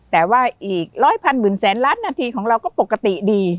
แต่ว่าอีกร้อยพันหมื่นแสนล้านนาทีของเราก็ปกติดี